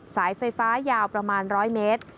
สายไฟฟ้ายาวประมาณ๑๐๐เมตร